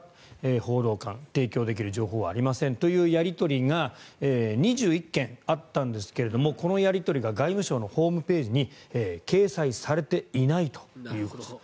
報道官、提供できる情報はありませんというやり取りが２１件あったんですがもうこのやり取りが外務省のホームページに掲載されていないということです。